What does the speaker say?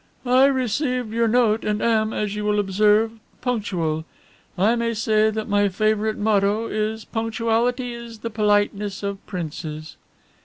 "I received your note and am, as you will observe, punctual. I may say that my favourite motto is 'Punctuality is the politeness of princes."